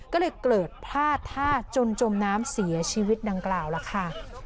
ก็เลยเกิดพลาดท่าจนจมน้ำเสียชีวิตดังกล่าวล่ะค่ะ